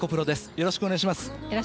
よろしくお願いします。